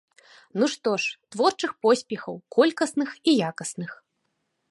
Ну што ж, творчых поспехаў, колькасных і якасных!